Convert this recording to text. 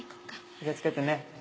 気をつけてね。